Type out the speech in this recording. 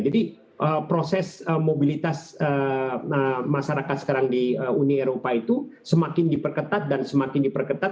jadi proses mobilitas masyarakat sekarang di uni eropa itu semakin diperketat dan semakin diperketat